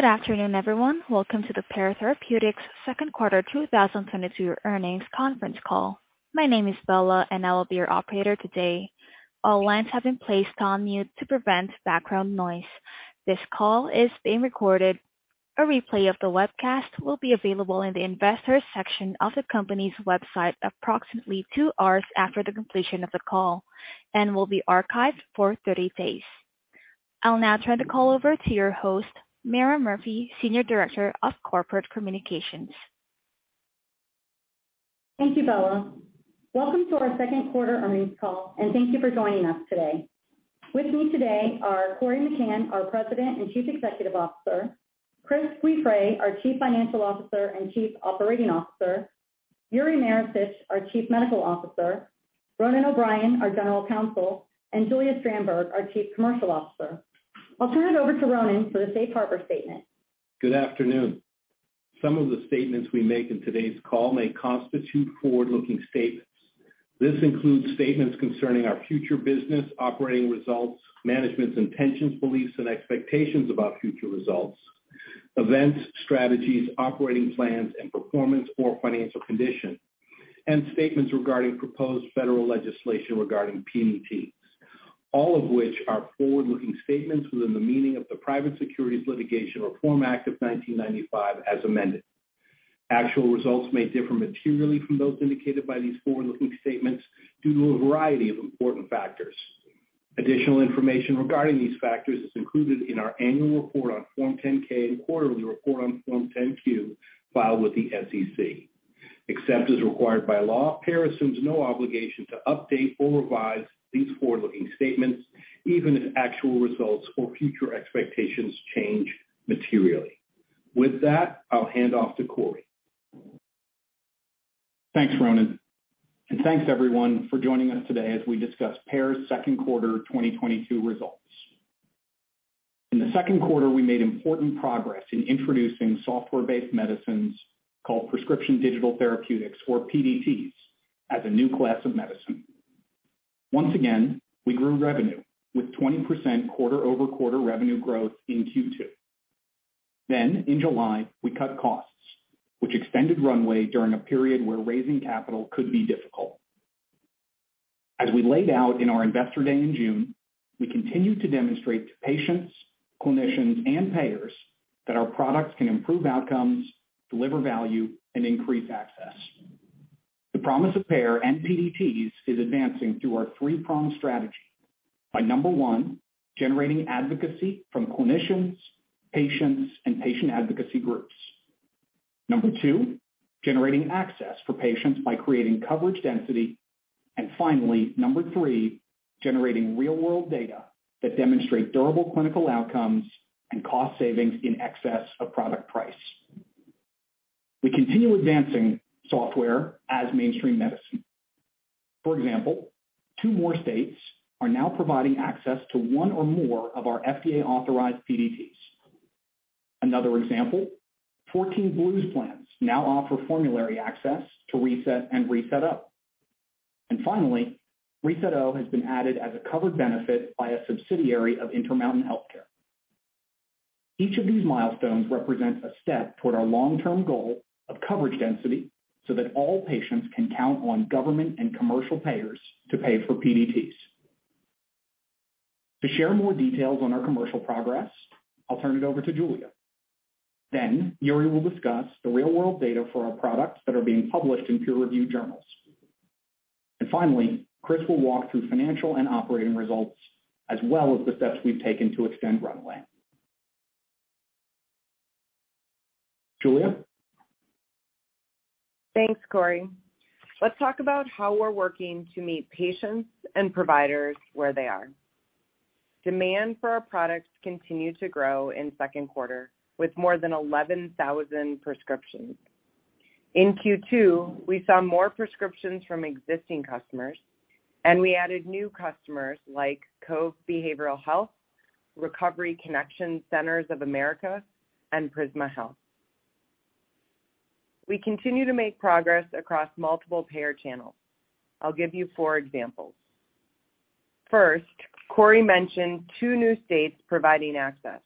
Good afternoon, everyone. Welcome to the Pear Therapeutics second quarter 2022 earnings conference call. My name is Bella, and I will be your operator today. All lines have been placed on mute to prevent background noise. This call is being recorded. A replay of the webcast will be available in the Investors section of the company's website approximately two hours after the completion of the call and will be archived for 30 days. I'll now turn the call over to your host, Meara Murphy, Senior Director of Corporate Communications. Thank you, Bella. Welcome to our second quarter earnings call, and thank you for joining us today. With me today are Corey McCann, our President and Chief Executive Officer, Chris Guiffre, our Chief Financial Officer and Chief Operating Officer, Yuri Maricich, our Chief Medical Officer, Ronan O'Brien, our General Counsel, and Julia Strandberg, our Chief Commercial Officer. I'll turn it over to Ronan for the safe harbor statement. Good afternoon. Some of the statements we make in today's call may constitute forward-looking statements. This includes statements concerning our future business operating results, management's intentions, beliefs, and expectations about future results, events, strategies, operating plans and performance or financial condition, and statements regarding proposed federal legislation regarding PDTs. All of which are forward-looking statements within the meaning of the Private Securities Litigation Reform Act of 1995 as amended. Actual results may differ materially from those indicated by these forward-looking statements due to a variety of important factors. Additional information regarding these factors is included in our annual report on Form 10-K and quarterly report on Form 10-Q filed with the SEC. Except as required by law, Pear assumes no obligation to update or revise these forward-looking statements, even if actual results or future expectations change materially. With that, I'll hand off to Corey. Thanks, Ronan, and thanks, everyone, for joining us today as we discuss Pear's second quarter 2022 results. In the second quarter, we made important progress in introducing software-based medicines called Prescription Digital Therapeutics, or PDTs, as a new class of medicine. Once again, we grew revenue with 20% quarter-over-quarter revenue growth in Q2. In July, we cut costs, which extended runway during a period where raising capital could be difficult. As we laid out in our Investor Day in June, we continue to demonstrate to patients, clinicians, and payers that our products can improve outcomes, deliver value and increase access. The promise of Pear and PDTs is advancing through our three-pronged strategy by, number one, generating advocacy from clinicians, patients, and patient advocacy groups. Number two, generating access for patients by creating coverage density. Finally, number three, generating real-world data that demonstrate durable clinical outcomes and cost savings in excess of product price. We continue advancing software as mainstream medicine. For example, two more states are now providing access to one or more of our FDA-authorized PDTs. Another example, 14 Blues plans now offer formulary access to reSET and reSET-O. Finally, reSET-O has been added as a covered benefit by a subsidiary of Intermountain Healthcare. Each of these milestones represents a step toward our long-term goal of coverage density, so that all patients can count on government and commercial payers to pay for PDTs. To share more details on our commercial progress, I'll turn it over to Julia. Yuri will discuss the real-world data for our products that are being published in peer-reviewed journals. Finally, Chris will walk through financial and operating results as well as the steps we've taken to extend runway. Julia? Thanks, Corey. Let's talk about how we're working to meet patients and providers where they are. Demand for our products continued to grow in second quarter with more than 11,000 prescriptions. In Q2, we saw more prescriptions from existing customers, and we added new customers like Cove Behavioral Health, Recovery Connections Centers of America, and Prisma Health. We continue to make progress across multiple payer channels. I'll give you four examples. First, Corey mentioned two new states providing access.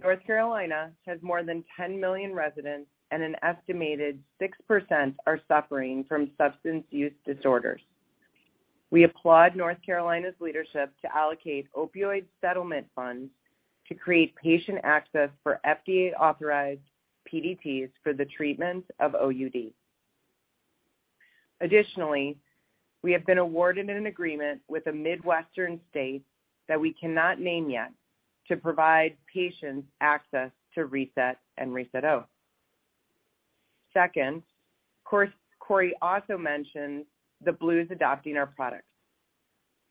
North Carolina has more than 10 million residents and an estimated 6% are suffering from substance use disorders. We applaud North Carolina's leadership to allocate opioid settlement funds to create patient access for FDA-authorized PDTs for the treatment of OUD. Additionally, we have been awarded an agreement with a Midwestern state that we cannot name yet to provide patients access to reSET and reSET-O. Second, Corey also mentioned the Blues adopting our products.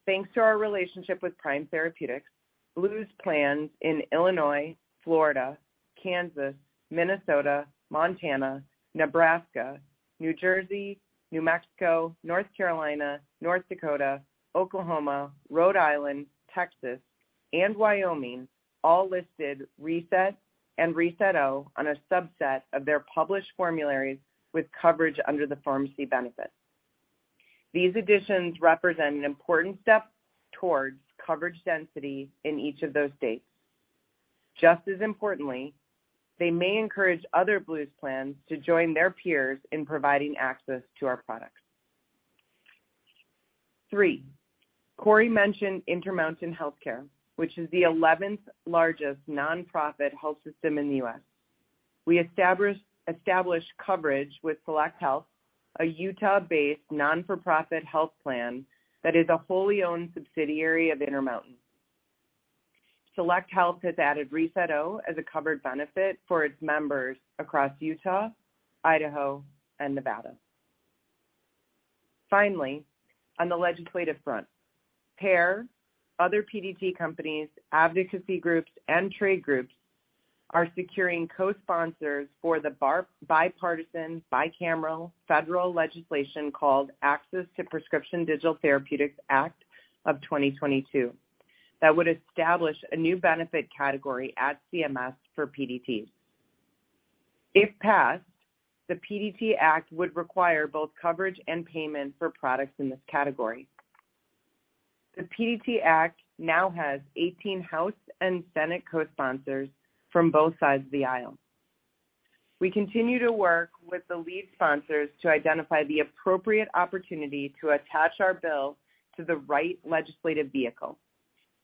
Thanks to our relationship with Prime Therapeutics, Blues plans in Illinois, Florida, Kansas, Minnesota, Montana, Nebraska, New Jersey, New Mexico, North Carolina, North Dakota, Oklahoma, Rhode Island, Texas, and Wyoming all listed reSET and reSET-O on a subset of their published formularies with coverage under the pharmacy benefit. These additions represent an important step towards coverage density in each of those states. Just as importantly, they may encourage other Blues plans to join their peers in providing access to our products. Three, Corey mentioned Intermountain Healthcare, which is the eleventh largest nonprofit health system in the U.S. We established coverage with SelectHealth, a Utah-based nonprofit health plan that is a wholly owned subsidiary of Intermountain. SelectHealth has added reSET-O as a covered benefit for its members across Utah, Idaho, and Nevada. Finally, on the legislative front, Pear, other PDT companies, advocacy groups, and trade groups are securing co-sponsors for the bipartisan, bicameral federal legislation called Access to Prescription Digital Therapeutics Act of 2022 that would establish a new benefit category at CMS for PDT. If passed, the PDT Act would require both coverage and payment for products in this category. The PDT Act now has 18 House and Senate co-sponsors from both sides of the aisle. We continue to work with the lead sponsors to identify the appropriate opportunity to attach our bill to the right legislative vehicle,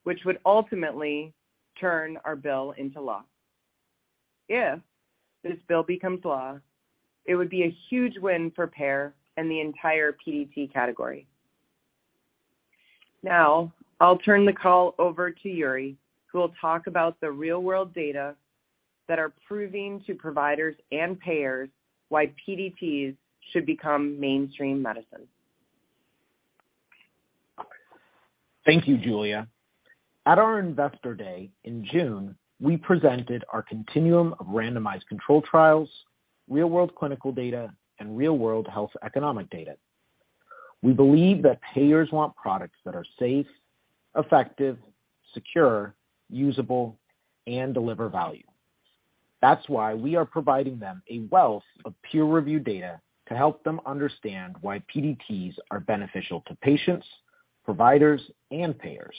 which would ultimately turn our bill into law. If this bill becomes law, it would be a huge win for Pear and the entire PDT category. Now, I'll turn the call over to Yuri, who will talk about the real-world data that are proving to providers and payers why PDTs should become mainstream medicine. Thank you, Julia. At our investor day in June, we presented our continuum of randomized controlled trials, real-world clinical data, and real-world health economic data. We believe that payers want products that are safe, effective, secure, usable, and deliver value. That's why we are providing them a wealth of peer-reviewed data to help them understand why PDTs are beneficial to patients, providers, and payers.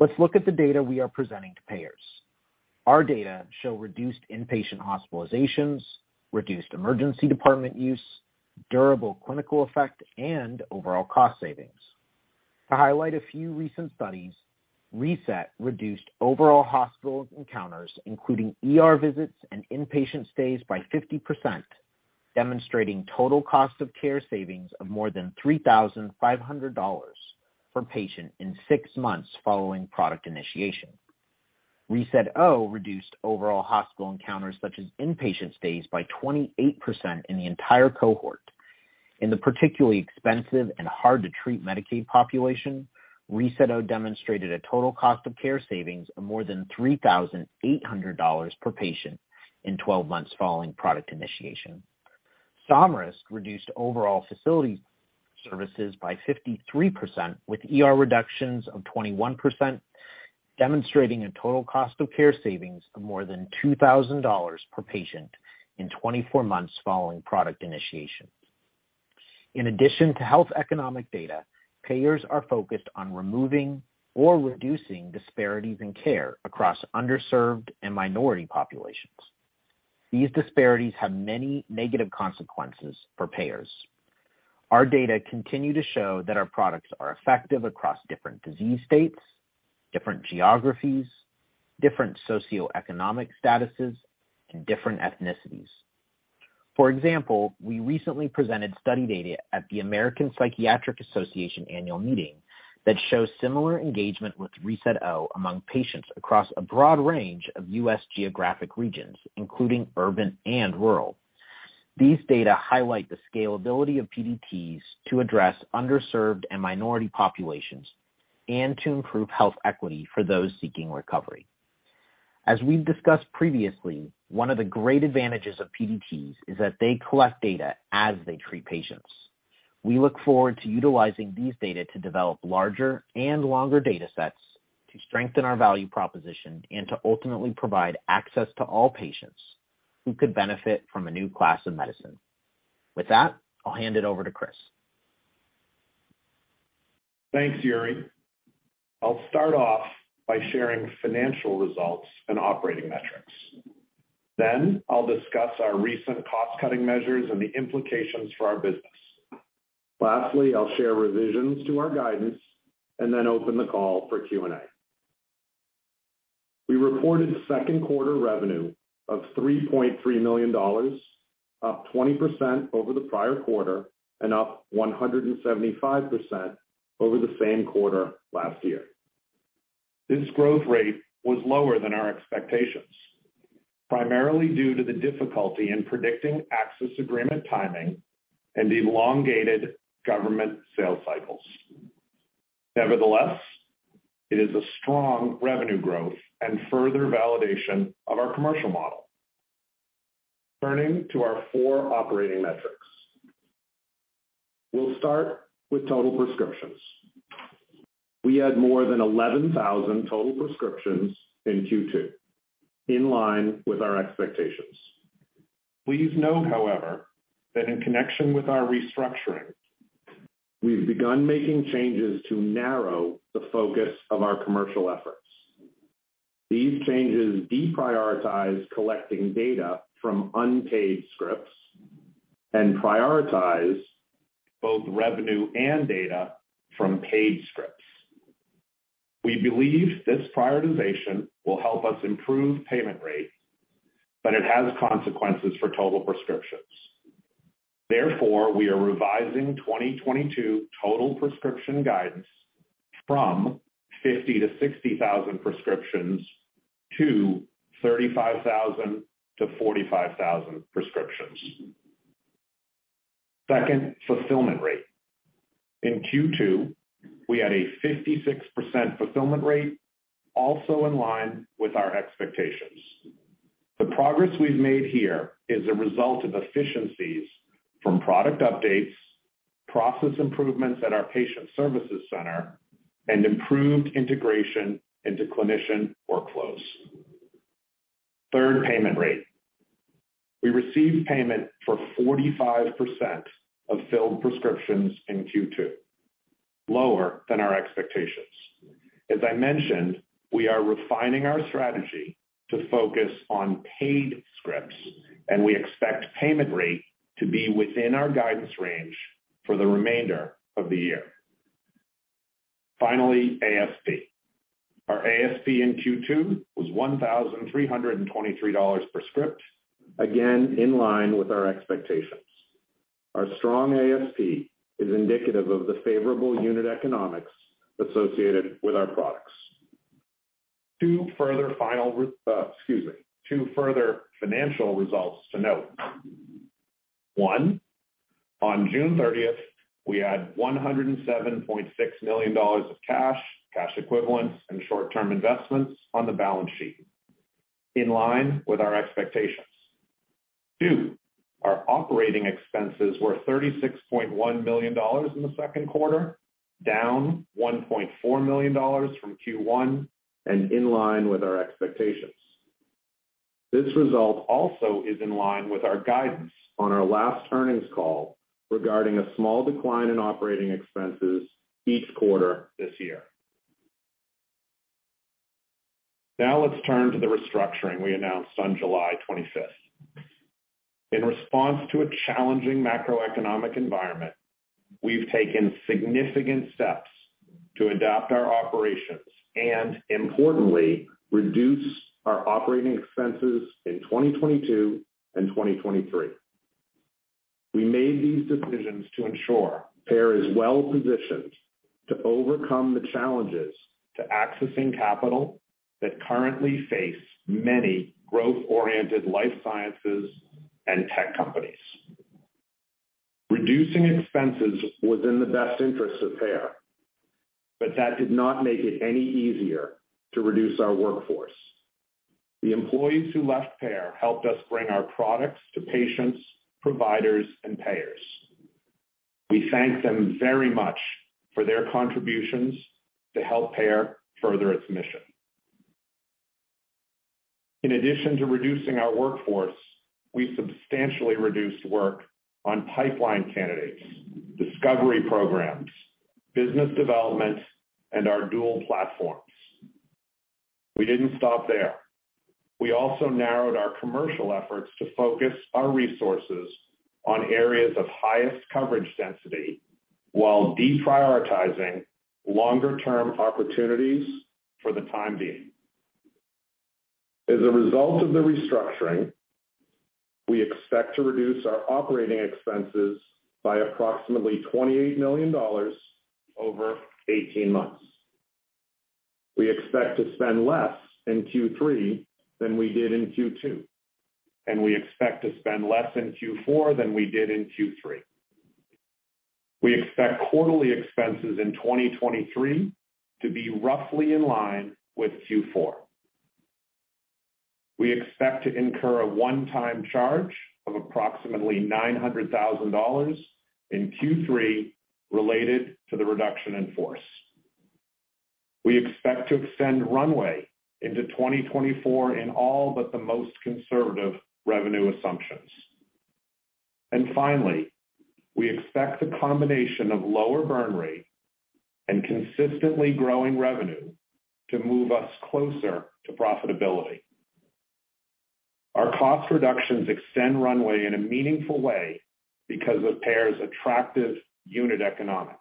Let's look at the data we are presenting to payers. Our data show reduced inpatient hospitalizations, reduced emergency department use, durable clinical effect, and overall cost savings. To highlight a few recent studies, reSET reduced overall hospital encounters, including ER visits and inpatient stays by 50%, demonstrating total cost of care savings of more than $3,500 per patient in six months following product initiation. reSET-O reduced overall hospital encounters such as inpatient stays by 28% in the entire cohort. In the particularly expensive and hard-to-treat Medicaid population, reSET-O demonstrated a total cost of care savings of more than $3,800 per patient in 12 months following product initiation. Somryst reduced overall facility services by 53% with ER reductions of 21%, demonstrating a total cost of care savings of more than $2,000 per patient in 24 months following product initiation. In addition to health economic data, payers are focused on removing or reducing disparities in care across underserved and minority populations. These disparities have many negative consequences for payers. Our data continue to show that our products are effective across different disease states, different geographies, different socioeconomic statuses, and different ethnicities. For example, we recently presented study data at the American Psychiatric Association annual meeting that shows similar engagement with reSET-O among patients across a broad range of U.S. geographic regions, including urban and rural. These data highlight the scalability of PDTs to address underserved and minority populations and to improve health equity for those seeking recovery. As we've discussed previously, one of the great advantages of PDTs is that they collect data as they treat patients. We look forward to utilizing these data to develop larger and longer datasets to strengthen our value proposition and to ultimately provide access to all patients who could benefit from a new class of medicine. With that, I'll hand it over to Chris. Thanks, Yuri. I'll start off by sharing financial results and operating metrics. Then I'll discuss our recent cost-cutting measures and the implications for our business. Lastly, I'll share revisions to our guidance and then open the call for Q&A. We reported second quarter revenue of $3.3 million, up 20% over the prior quarter and up 175% over the same quarter last year. This growth rate was lower than our expectations, primarily due to the difficulty in predicting access agreement timing and the elongated government sales cycles. Nevertheless, it is a strong revenue growth and further validation of our commercial model. Turning to our four operating metrics. We'll start with total prescriptions. We had more than 11,000 total prescriptions in Q2, in line with our expectations. Please note, however, that in connection with our restructuring, we've begun making changes to narrow the focus of our commercial efforts. These changes deprioritize collecting data from unpaid scripts and prioritize both revenue and data from paid scripts. We believe this prioritization will help us improve payment rate, but it has consequences for total prescriptions. Therefore, we are revising 2022 total prescription guidance from 50,000-60,000 prescriptions to 35,000-45,000 prescriptions. Second, fulfillment rate. In Q2, we had a 56% fulfillment rate, also in line with our expectations. The progress we've made here is a result of efficiencies from product updates, process improvements at our patient services center, and improved integration into clinician workflows. Third, payment rate. We received payment for 45% of filled prescriptions in Q2, lower than our expectations. As I mentioned, we are refining our strategy to focus on paid scripts, and we expect payment rate to be within our guidance range for the remainder of the year. Finally, ASP. Our ASP in Q2 was $1,323 per script, again, in line with our expectations. Our strong ASP is indicative of the favorable unit economics associated with our products. Two further financial results to note. One, on June thirtieth, we had $107.6 million of cash equivalents, and short-term investments on the balance sheet, in line with our expectations. Two, our operating expenses were $36.1 million in the second quarter, down $1.4 million from Q1 and in line with our expectations. This result also is in line with our guidance on our last earnings call regarding a small decline in operating expenses each quarter this year. Now let's turn to the restructuring we announced on July 25, 2022. In response to a challenging macroeconomic environment, we've taken significant steps to adapt our operations and importantly, reduce our operating expenses in 2022 and 2023. We made these decisions to ensure Pear is well-positioned to overcome the challenges to accessing capital that currently face many growth-oriented life sciences and tech companies. Reducing expenses was in the best interest of Pear, but that did not make it any easier to reduce our workforce. The employees who left Pear helped us bring our products to patients, providers, and payers. We thank them very much for their contributions to help Pear further its mission. In addition to reducing our workforce, we substantially reduced work on pipeline candidates, discovery programs, business development, and our dual platforms. We didn't stop there. We also narrowed our commercial efforts to focus our resources on areas of highest coverage density while deprioritizing longer-term opportunities for the time being. As a result of the restructuring, we expect to reduce our operating expenses by approximately $28 million over 18 months. We expect to spend less in Q3 than we did in Q2, and we expect to spend less in Q4 than we did in Q3. We expect quarterly expenses in 2023 to be roughly in line with Q4. We expect to incur a one-time charge of approximately $900,000 in Q3 related to the reduction in force. We expect to extend runway into 2024 in all but the most conservative revenue assumptions. Finally, we expect the combination of lower burn rate and consistently growing revenue to move us closer to profitability. Our cost reductions extend runway in a meaningful way because of Pear's attractive unit economics.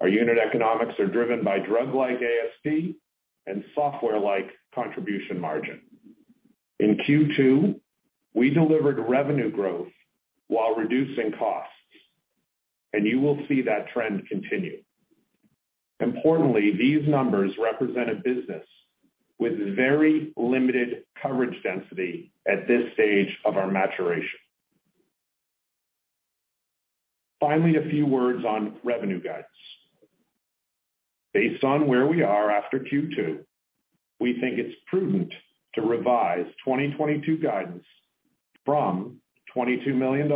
Our unit economics are driven by drug-like ASP and software-like contribution margin. In Q2, we delivered revenue growth while reducing costs, and you will see that trend continue. Importantly, these numbers represent a business with very limited coverage density at this stage of our maturation. Finally, a few words on revenue guidance. Based on where we are after Q2. We think it's prudent to revise 2022 guidance from $22 million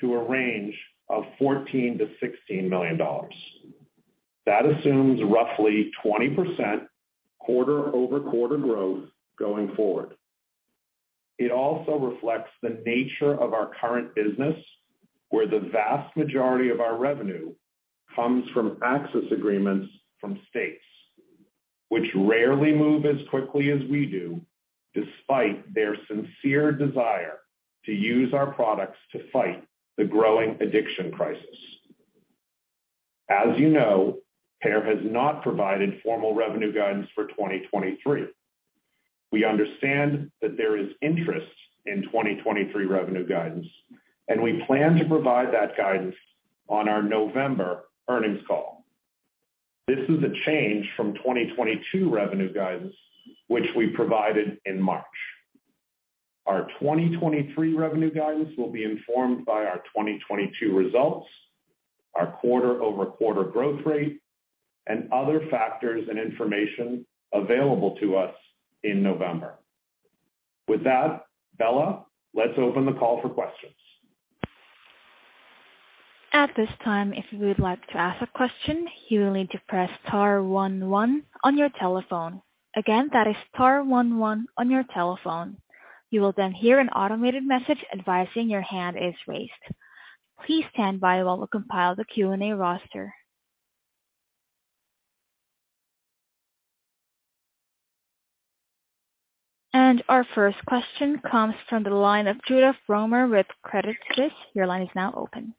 to a range of $14 million-$16 million. That assumes roughly 20% quarter-over-quarter growth going forward. It also reflects the nature of our current business, where the vast majority of our revenue comes from access agreements from states, which rarely move as quickly as we do, despite their sincere desire to use our products to fight the growing addiction crisis. As you know, Pear has not provided formal revenue guidance for 2023. We understand that there is interest in 2023 revenue guidance, and we plan to provide that guidance on our November earnings call. This is a change from 2022 revenue guidance, which we provided in March. Our 2023 revenue guidance will be informed by our 2022 results, our quarter-over-quarter growth rate, and other factors and information available to us in November. With that, Bella, let's open the call for questions. At this time, if you would like to ask a question, you will need to press star one one on your telephone. Again, that is star one one on your telephone. You will then hear an automated message advising your hand is raised. Please stand by while we compile the Q&A roster. Our first question comes from the line of Jailendra Singh with Credit Suisse. Your line is now open.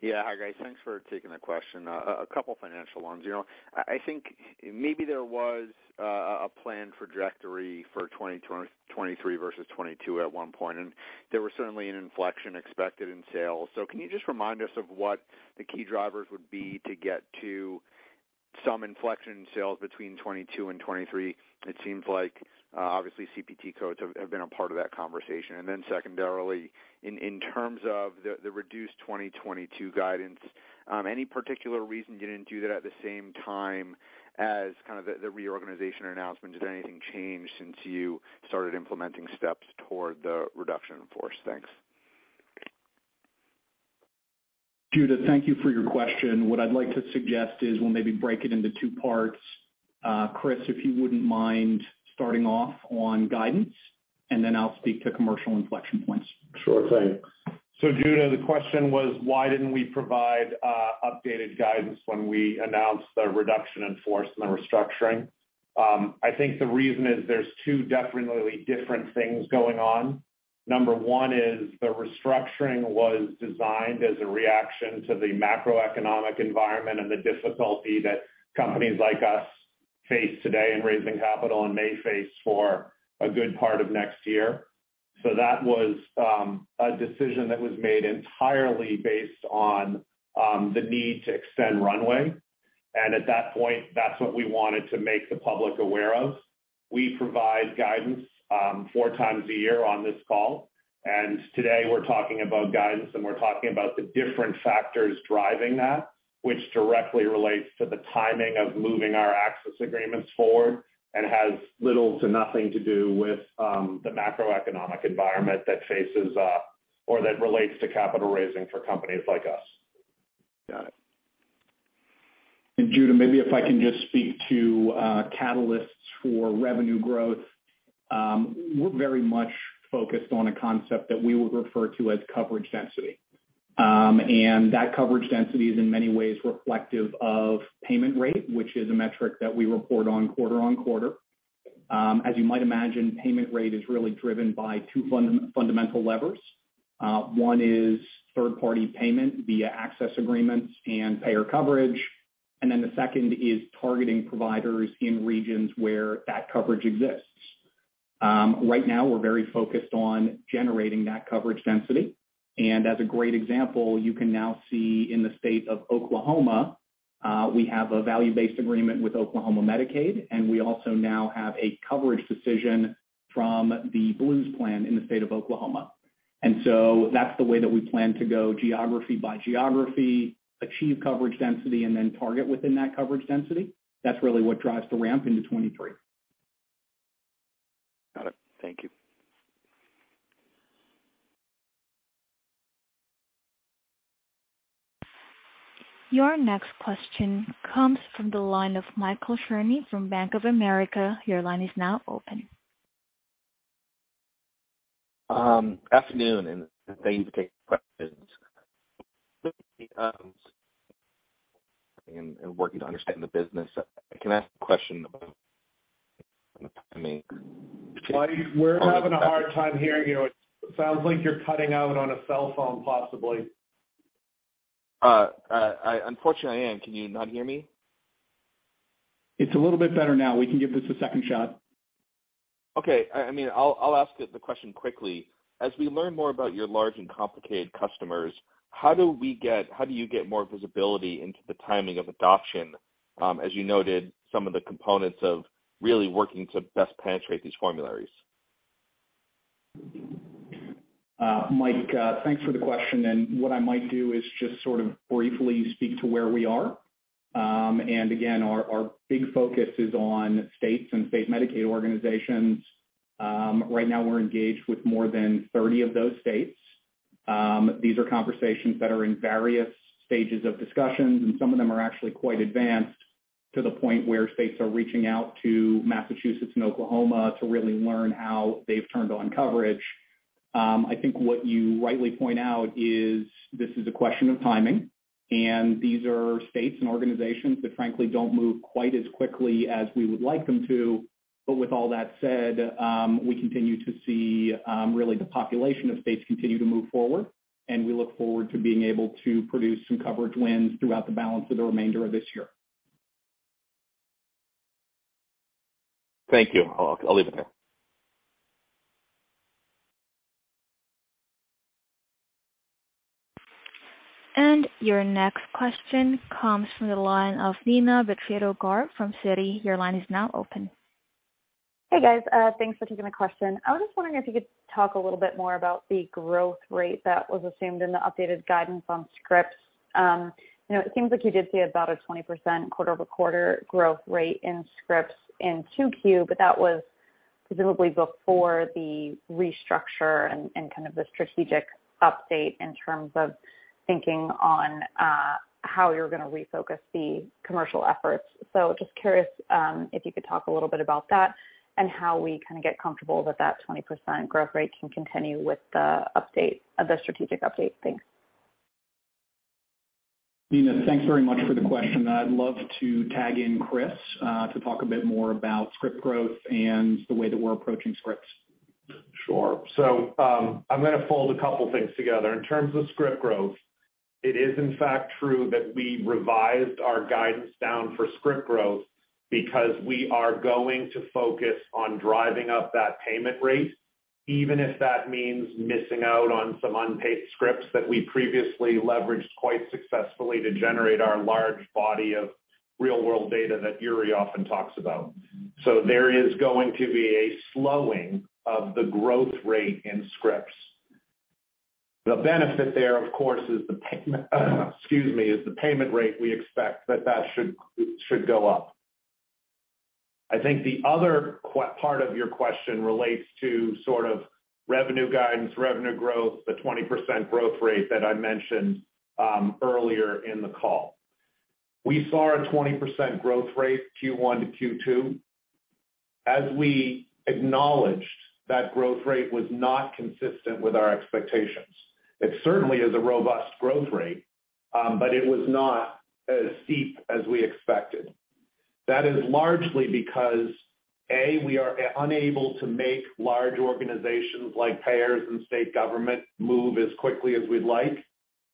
Yeah. Hi, guys. Thanks for taking the question. A couple financial ones. You know, I think maybe there was a planned trajectory for 2023 versus 2022 at one point, and there was certainly an inflection expected in sales. Can you just remind us of what the key drivers would be to get to some inflection in sales between 2022 and 2023? It seems like obviously CPT codes have been a part of that conversation. Then secondarily, in terms of the reduced 2022 guidance, any particular reason you didn't do that at the same time as kind of the reorganization announcement? Has anything changed since you started implementing steps toward the reduction in force? Thanks. Jailendra, thank you for your question. What I'd like to suggest is we'll maybe break it into two parts. Chris, if you wouldn't mind starting off on guidance, and then I'll speak to commercial inflection points. Sure. Thanks. Jailendra, the question was why didn't we provide updated guidance when we announced the reduction in force and the restructuring? I think the reason is there's two definitely different things going on. Number one is the restructuring was designed as a reaction to the macroeconomic environment and the difficulty that companies like us face today in raising capital and may face for a good part of next year. That was a decision that was made entirely based on the need to extend runway. At that point, that's what we wanted to make the public aware of. We provide guidance four times a year on this call, and today we're talking about guidance, and we're talking about the different factors driving that, which directly relates to the timing of moving our access agreements forward and has little to nothing to do with the macroeconomic environment that faces or that relates to capital raising for companies like us. Got it. Jailendra Singh, maybe if I can just speak to catalysts for revenue growth. We're very much focused on a concept that we would refer to as coverage density. That coverage density is in many ways reflective of payment rate, which is a metric that we report on quarter-over-quarter. As you might imagine, payment rate is really driven by two fundamental levers. One is third-party payment via access agreements and payer coverage. Then the second is targeting providers in regions where that coverage exists. Right now we're very focused on generating that coverage density. As a great example, you can now see in the state of Oklahoma, we have a value-based agreement with Oklahoma Medicaid, and we also now have a coverage decision from the Blues plan in the state of Oklahoma. That's the way that we plan to go geography by geography, achieve coverage density, and then target within that coverage density. That's really what drives the ramp into 2023. Got it. Thank you. Your next question comes from the line of Michael Cherny from Bank of America. Your line is now open. Afternoon, and thank you for taking questions. Working to understand the business. Can I ask a question about, I mean. We're having a hard time hearing you. It sounds like you're cutting out on a cell phone, possibly. Unfortunately, I am. Can you not hear me? It's a little bit better now. We can give this a second shot. Okay. I mean, I'll ask the question quickly. As we learn more about your large and complicated customers, how do you get more visibility into the timing of adoption, as you noted some of the components of really working to best penetrate these formularies? Mike, thanks for the question. What I might do is just sort of briefly speak to where we are. Again, our big focus is on states and state Medicaid organizations. Right now, we're engaged with more than 30 of those states. These are conversations that are in various stages of discussions, and some of them are actually quite advanced to the point where states are reaching out to Massachusetts and Oklahoma to really learn how they've turned on coverage. I think what you rightly point out is this is a question of timing, and these are states and organizations that frankly don't move quite as quickly as we would like them to. With all that said, we continue to see, really the population of states continue to move forward, and we look forward to being able to produce some coverage wins throughout the balance of the remainder of this year. Thank you. I'll leave it there. Your next question comes from the line of Neelum Brar from Citi. Your line is now open. Hey, guys. Thanks for taking the question. I was just wondering if you could talk a little bit more about the growth rate that was assumed in the updated guidance on scripts. You know, it seems like you did see about a 20% quarter-over-quarter growth rate in scripts in 2Q, but that was presumably before the restructure and kind of the strategic update in terms of thinking on how you're gonna refocus the commercial efforts. Just curious if you could talk a little bit about that and how we kinda get comfortable that that 20% growth rate can continue with the update of the strategic update. Thanks. Nina, thanks very much for the question. I'd love to tag in Chris to talk a bit more about script growth and the way that we're approaching scripts. Sure. I'm gonna fold a couple things together. In terms of script growth, it is in fact true that we revised our guidance down for script growth because we are going to focus on driving up that payment rate, even if that means missing out on some unpaid scripts that we previously leveraged quite successfully to generate our large body of real-world data that Yuri often talks about. There is going to be a slowing of the growth rate in scripts. The benefit there, of course, is the payment, excuse me, is the payment rate we expect that should go up. I think the other part of your question relates to sort of revenue guidance, revenue growth, the 20% growth rate that I mentioned earlier in the call. We saw a 20% growth rate Q1 to Q2. As we acknowledged, that growth rate was not consistent with our expectations. It certainly is a robust growth rate, but it was not as steep as we expected. That is largely because, A, we are unable to make large organizations like payers and state government move as quickly as we'd like,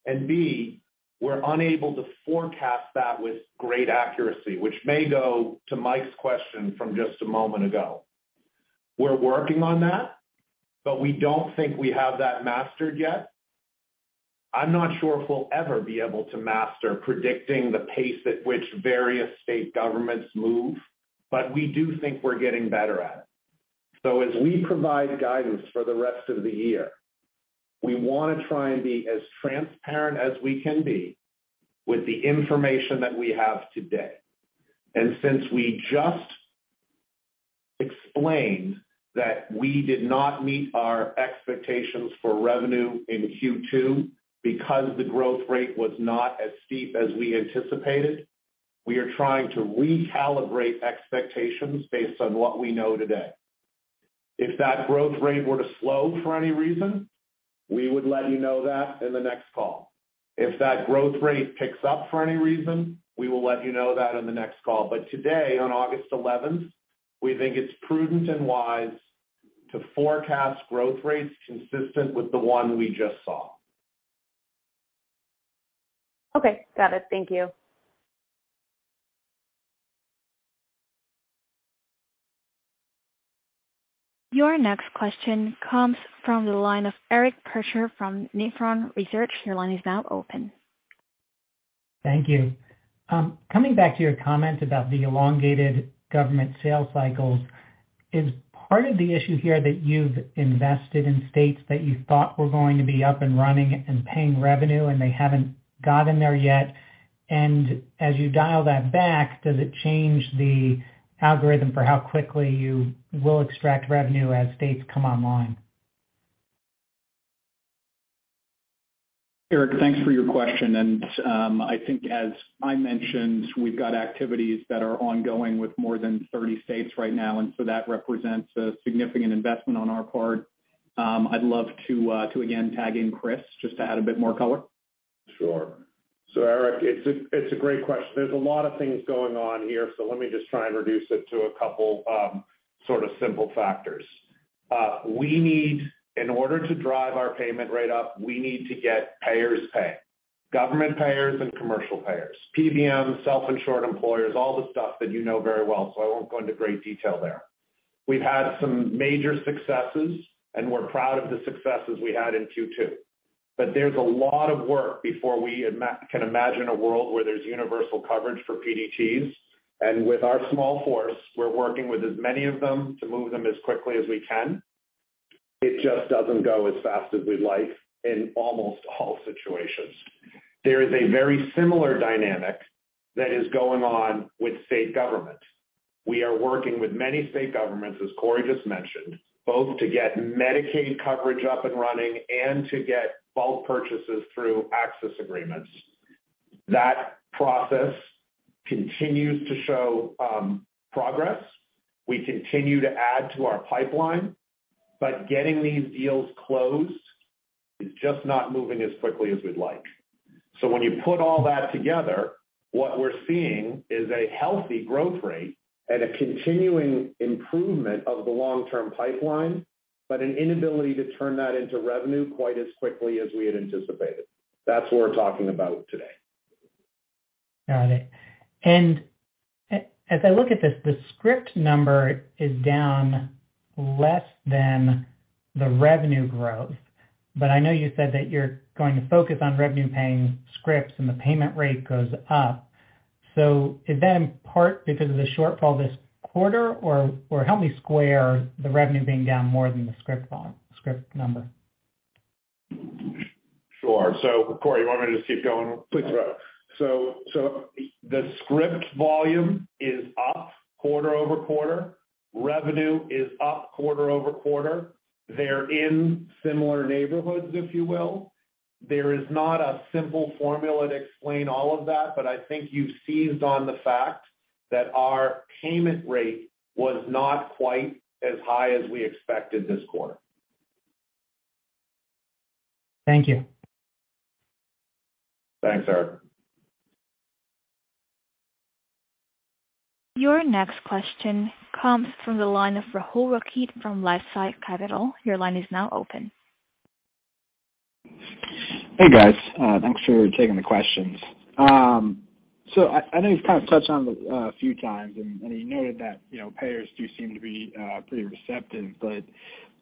and B, we're unable to forecast that with great accuracy, which may go to Mike's question from just a moment ago. We're working on that, but we don't think we have that mastered yet. I'm not sure if we'll ever be able to master predicting the pace at which various state governments move, but we do think we're getting better at it. As we provide guidance for the rest of the year, we wanna try and be as transparent as we can be with the information that we have today. Since we just explained that we did not meet our expectations for revenue in Q2 because the growth rate was not as steep as we anticipated, we are trying to recalibrate expectations based on what we know today. If that growth rate were to slow for any reason, we would let you know that in the next call. If that growth rate picks up for any reason, we will let you know that in the next call. Today, on August eleventh, we think it's prudent and wise to forecast growth rates consistent with the one we just saw. Okay. Got it. Thank you. Your next question comes from the line of Eric Percher from Nephron Research. Your line is now open. Thank you. Coming back to your comment about the elongated government sales cycles, is part of the issue here that you've invested in states that you thought were going to be up and running and paying revenue, and they haven't gotten there yet? As you dial that back, does it change the algorithm for how quickly you will extract revenue as states come online? Eric, thanks for your question. I think as I mentioned, we've got activities that are ongoing with more than 30 states right now, and that represents a significant investment on our part. I'd love to again tag in Chris just to add a bit more color. Sure. Eric, it's a great question. There's a lot of things going on here, so let me just try and reduce it to a couple, sort of simple factors. In order to drive our payment rate up, we need to get payers paying, government payers and commercial payers, PBMs, self-insured employers, all the stuff that you know very well, so I won't go into great detail there. We've had some major successes, and we're proud of the successes we had in 2022. There's a lot of work before we can imagine a world where there's universal coverage for PDTs. With our small force, we're working with as many of them to move them as quickly as we can. It just doesn't go as fast as we'd like in almost all situations. There is a very similar dynamic that is going on with state government. We are working with many state governments, as Corey just mentioned, both to get Medicaid coverage up and running and to get bulk purchases through access agreements. That process continues to show progress. We continue to add to our pipeline, but getting these deals closed is just not moving as quickly as we'd like. When you put all that together, what we're seeing is a healthy growth rate and a continuing improvement of the long-term pipeline, but an inability to turn that into revenue quite as quickly as we had anticipated. That's what we're talking about today. Got it. As I look at this, the script number is down less than the revenue growth. I know you said that you're going to focus on revenue paying scripts, and the payment rate goes up. Is that in part because of the shortfall this quarter, or help me square the revenue being down more than the script number. Sure. Corey, you want me to just keep going? Please do. The script volume is up quarter-over-quarter. Revenue is up quarter-over-quarter. They're in similar neighborhoods, if you will. There is not a simple formula to explain all of that, but I think you've seized on the fact that our payment rate was not quite as high as we expected this quarter. Thank you. Thanks, Eric. Your next question comes from the line of Rahul Rakhit from LifeSci Capital. Your line is now open. Hey, guys. Thanks for taking the questions. I know you've kind of touched on it a few times, and you noted that, you know, payers do seem to be pretty receptive, but,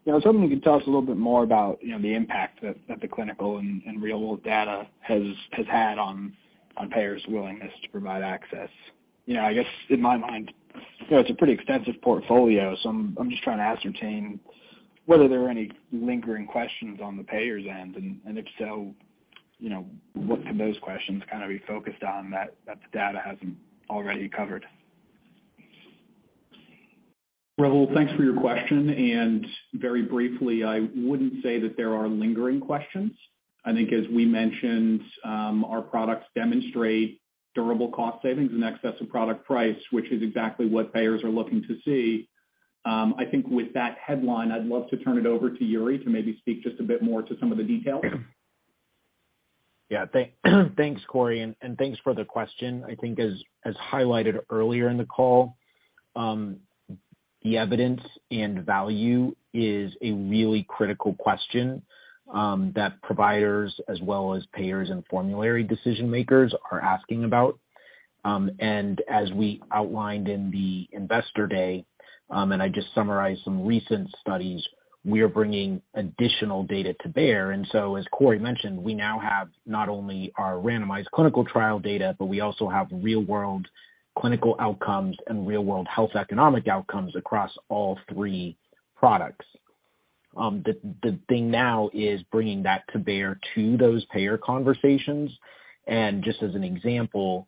you know, was wondering if you could tell us a little bit more about, you know, the impact that the clinical and real world data has had on payers' willingness to provide access. You know, I guess in my mind, you know, it's a pretty extensive portfolio. I'm just trying to ascertain whether there are any lingering questions on the payers' end. If so, you know, what could those questions kind of be focused on that the data hasn't already covered? Rahul, thanks for your question. Very briefly, I wouldn't say that there are lingering questions. I think as we mentioned, our products demonstrate durable cost savings in excess of product price, which is exactly what payers are looking to see. I think with that headline, I'd love to turn it over to Yuri to maybe speak just a bit more to some of the details. Yeah. Thanks, Corey, and thanks for the question. I think as highlighted earlier in the call, the evidence and value is a really critical question that providers as well as payers and formulary decision makers are asking about. As we outlined in the investor day, and I just summarized some recent studies, we are bringing additional data to bear. As Corey mentioned, we now have not only our randomized clinical trial data, but we also have real-world clinical outcomes and real-world health economic outcomes across all three products. The thing now is bringing that to bear to those payer conversations. Just as an example,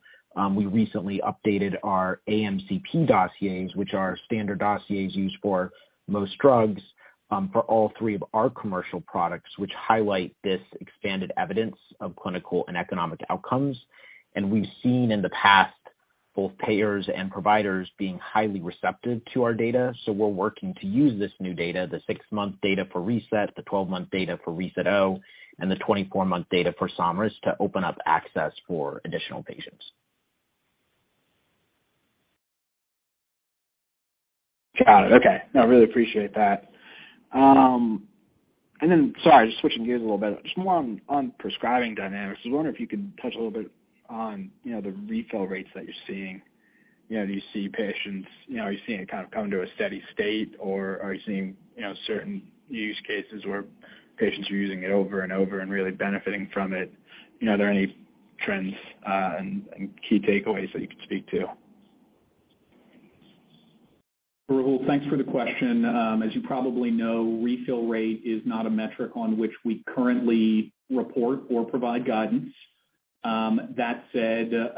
we recently updated our AMCP dossiers, which are standard dossiers used for most drugs, for all three of our commercial products, which highlight this expanded evidence of clinical and economic outcomes. We've seen in the past both payers and providers being highly receptive to our data. We're working to use this new data, the 6-month data for reSET, the 12-month data for reSET-O, and the 24-month data for Somryst to open up access for additional patients. Got it. Okay. No, I really appreciate that. Sorry, just switching gears a little bit. Just more on prescribing dynamics. I was wondering if you could touch a little bit on, you know, the refill rates that you're seeing. You know, do you see patients, you know, are you seeing it kind of come to a steady state, or are you seeing, you know, certain use cases where patients are using it over and over and really benefiting from it? You know, are there any trends, and key takeaways that you could speak to? Rahul, thanks for the question. As you probably know, refill rate is not a metric on which we currently report or provide guidance. That said, as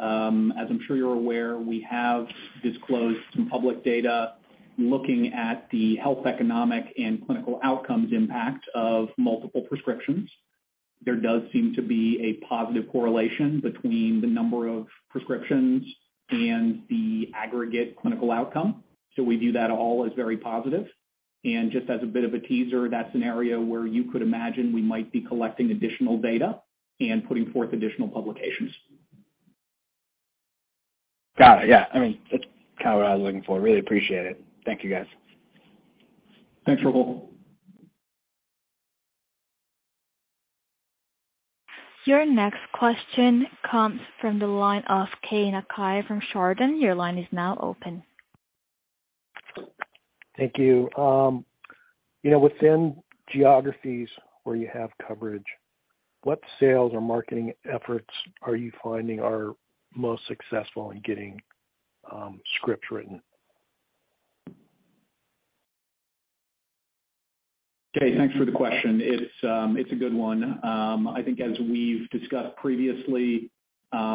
I'm sure you're aware, we have disclosed some public data looking at the health, economic and clinical outcomes impact of multiple prescriptions. There does seem to be a positive correlation between the number of prescriptions and the aggregate clinical outcome. We view that all as very positive. Just as a bit of a teaser, that's an area where you could imagine we might be collecting additional data and putting forth additional publications. Got it. Yeah. I mean, that's kind of what I was looking for. Really appreciate it. Thank you, guys. Thanks, Rahul. Your next question comes from the line of Keay Nakae from Chardan. Your line is now open. Thank you. You know, within geographies where you have coverage, what sales or marketing efforts are you finding are most successful in getting, scripts written? Okay, thanks for the question. It's a good one. I think as we've discussed previously,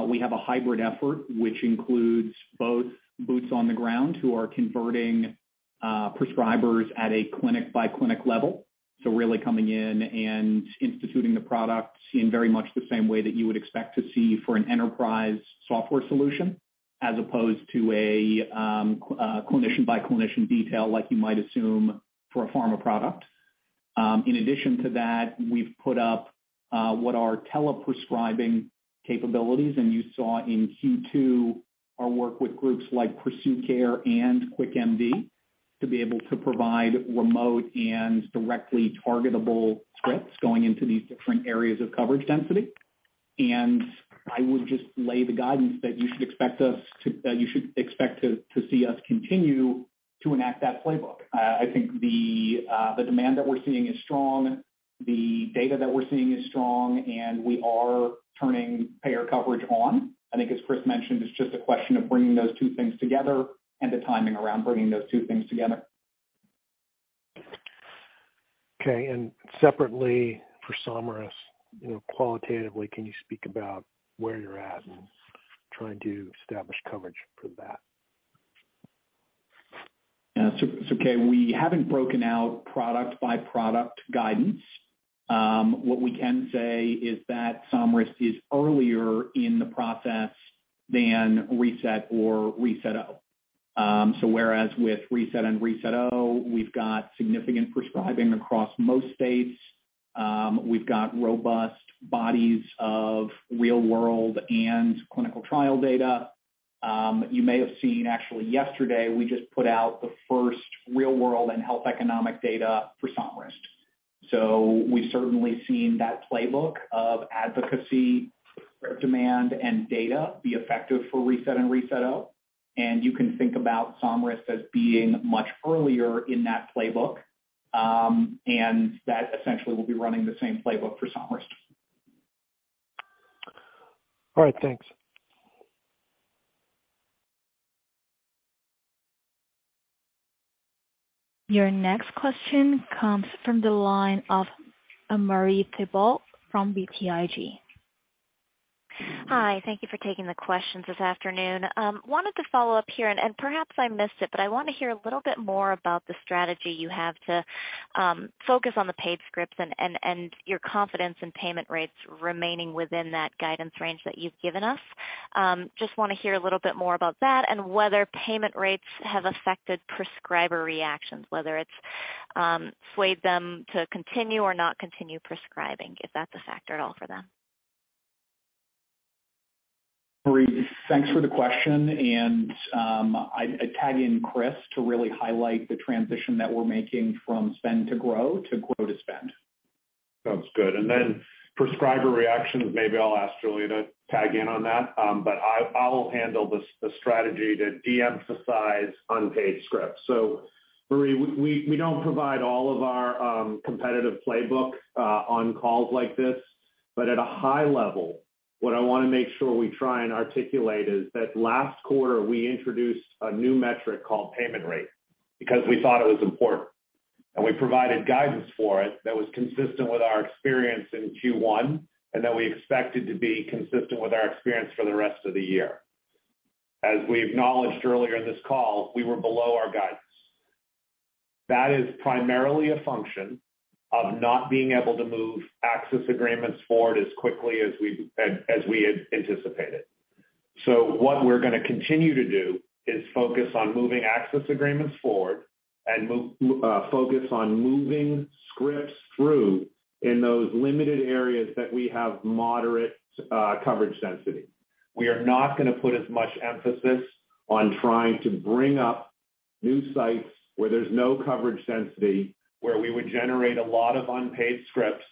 we have a hybrid effort which includes both boots on the ground who are converting prescribers at a clinic-by-clinic level. Really coming in and instituting the product in very much the same way that you would expect to see for an enterprise software solution, as opposed to a clinician-by-clinician detail like you might assume for a pharma product. In addition to that, we've put up what are tele-prescribing capabilities, and you saw in Q2 our work with groups like PursueCare and QuickMD to be able to provide remote and directly targetable scripts going into these different areas of coverage density. I would just lay the guidance that you should expect to see us continue to enact that playbook. I think the demand that we're seeing is strong, the data that we're seeing is strong, and we are turning payer coverage on. I think, as Chris mentioned, it's just a question of bringing those two things together and the timing around bringing those two things together. Okay. Separately for Somryst, you know, qualitatively, can you speak about where you're at in trying to establish coverage for that? Yeah. Keay Nakae, we haven't broken out product-by-product guidance. What we can say is that Somryst is earlier in the process than reSET or reSET-O. Whereas with reSET and reSET-O, we've got significant prescribing across most states, we've got robust bodies of real-world and clinical trial data. You may have seen actually yesterday, we just put out the first real-world and health economic data for Somryst. We've certainly seen that playbook of advocacy, demand, and data be effective for reSET and reSET-O, and you can think about Somryst as being much earlier in that playbook. That essentially will be running the same playbook for Somryst. All right. Thanks. Your next question comes from the line of Marie Thibault from BTIG. Hi. Thank you for taking the questions this afternoon. Wanted to follow up here, and perhaps I missed it, but I wanna hear a little bit more about the strategy you have to focus on the paid scripts and your confidence in payment rates remaining within that guidance range that you've given us. Just wanna hear a little bit more about that and whether payment rates have affected prescriber reactions, whether it's swayed them to continue or not continue prescribing, if that's a factor at all for them. Marie, thanks for the question. I'd tag in Chris to really highlight the transition that we're making from spend to grow to spend. Sounds good. Then prescriber reactions, maybe I'll ask Julia to tag in on that. I'll handle the strategy to de-emphasize unpaid scripts. Marie, we don't provide all of our competitive playbook on calls like this. At a high level, what I wanna make sure we try and articulate is that last quarter, we introduced a new metric called payment rate because we thought it was important. We provided guidance for it that was consistent with our experience in Q1, and that we expected to be consistent with our experience for the rest of the year. As we acknowledged earlier in this call, we were below our guidance. That is primarily a function of not being able to move access agreements forward as quickly as we had anticipated. What we're gonna continue to do is focus on moving access agreements forward and focus on moving scripts through in those limited areas that we have moderate coverage density. We are not gonna put as much emphasis on trying to bring up new sites where there's no coverage density, where we would generate a lot of unpaid scripts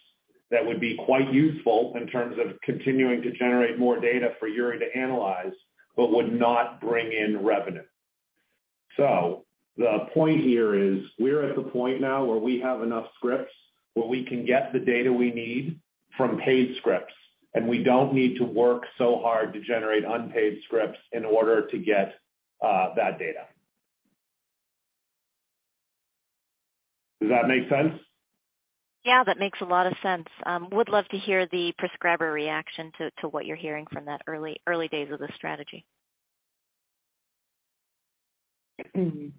that would be quite useful in terms of continuing to generate more data for Yuri to analyze, but would not bring in revenue. The point here is we're at the point now where we have enough scripts where we can get the data we need from paid scripts, and we don't need to work so hard to generate unpaid scripts in order to get that data. Does that make sense? Yeah, that makes a lot of sense. Would love to hear the prescriber reaction to what you're hearing from that early days of the strategy.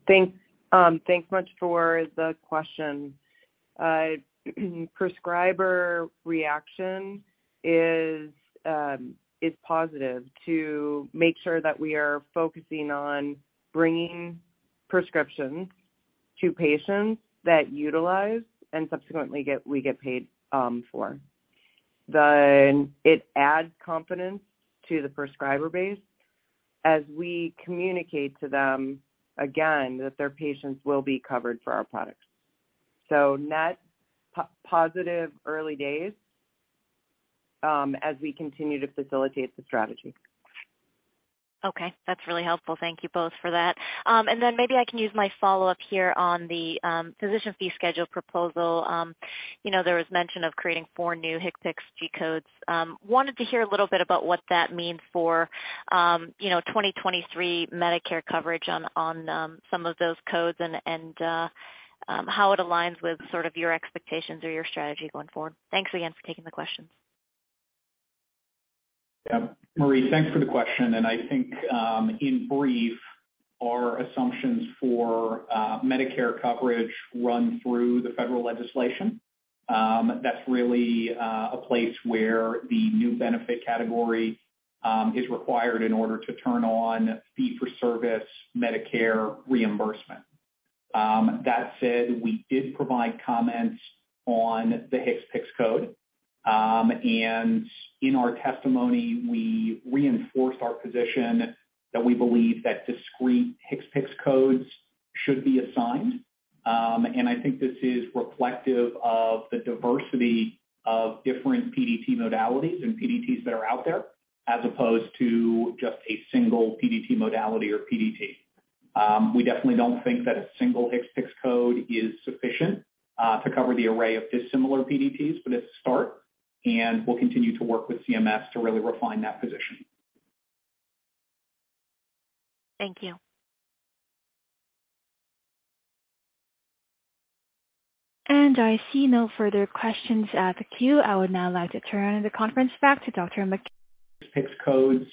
Thanks, thanks much for the question. Prescriber reaction is positive to make sure that we are focusing on bringing prescriptions to patients that utilize and subsequently we get paid for. It adds confidence to the prescriber base as we communicate to them again that their patients will be covered for our products. Net positive early days as we continue to facilitate the strategy. Okay, that's really helpful. Thank you both for that. Maybe I can use my follow-up here on the physician fee schedule proposal. You know, there was mention of creating four new HCPCS G codes. Wanted to hear a little bit about what that means for you know, 2023 Medicare coverage on some of those codes and how it aligns with sort of your expectations or your strategy going forward. Thanks again for taking the questions. Yeah. Marie, thanks for the question. I think, in brief, our assumptions for Medicare coverage run through the federal legislation. That's really a place where the new benefit category is required in order to turn on fee-for-service Medicare reimbursement. That said, we did provide comments on the HCPCS code. In our testimony, we reinforced our position that we believe that discrete HCPCS codes should be assigned. I think this is reflective of the diversity of different PDT modalities and PDTs that are out there as opposed to just a single PDT modality or PDT. We definitely don't think that a single HCPCS code is sufficient to cover the array of dissimilar PDTs, but it's a start, and we'll continue to work with CMS to really refine that position. Thank you. I see no further questions at the queue. I would now like to turn the conference back to Dr. McCann. HCPCS codes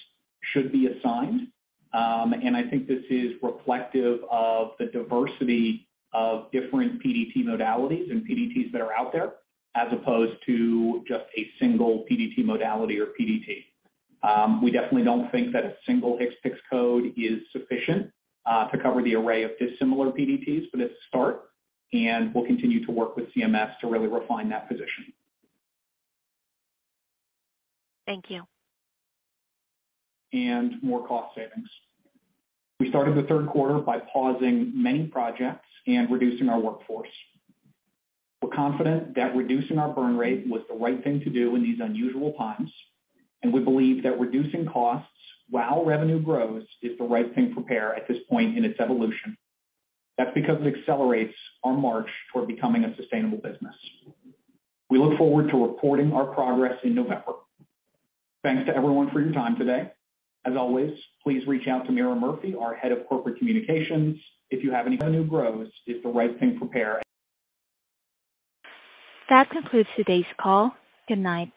should be assigned. I think this is reflective of the diversity of different PDT modalities and PDTs that are out there as opposed to just a single PDT modality or PDT. We definitely don't think that a single HCPCS code is sufficient to cover the array of dissimilar PDTs, but it's a start, and we'll continue to work with CMS to really refine that position. Thank you. More cost savings. We started the third quarter by pausing many projects and reducing our workforce. We're confident that reducing our burn rate was the right thing to do in these unusual times, and we believe that reducing costs while revenue grows is the right thing for Pear at this point in its evolution. That's because it accelerates our march toward becoming a sustainable business. We look forward to reporting our progress in November. Thanks to everyone for your time today. As always, please reach out to Meara Murphy, our Head of Corporate Communications, if you have any. That concludes today's call. Good night.